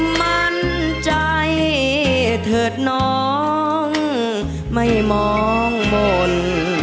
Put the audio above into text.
มั่นใจเถิดน้องไม่มองมนต์